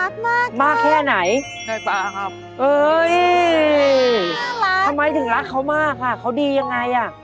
ทำไมถึงรักเขามากคะเขาดีอย่างไร